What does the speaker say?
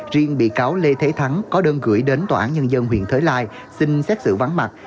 riêng bị cáo lê thế thắng có đơn gửi đến tòa án nhân dân huyện thới lai xin xét xử vắng mặt